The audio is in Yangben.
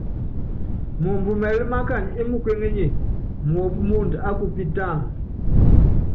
Moomb mɛɛlɛ́ mákany é mukéŋénye, muɔ́pɔ́ muond á kupitáan.